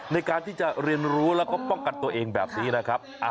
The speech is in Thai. ในการที่จะเรียนรู้แล้วก็ป้องกันตัวเองแบบนี้นะครับ